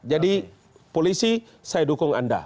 jadi polisi saya dukung anda